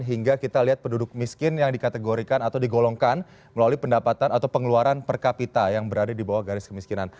hingga kita lihat penduduk miskin yang dikategorikan atau digolongkan melalui pendapatan atau pengeluaran per kapita yang berada di bawah garis kemiskinan